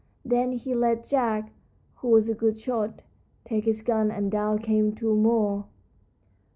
Then he let Jack, who was a good shot, take his gun, and down came two more.